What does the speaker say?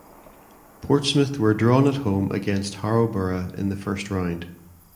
Portsmouth were drawn at home against Harrow Borough in the first round.